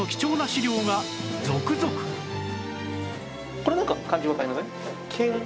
これなんか漢字わかりません？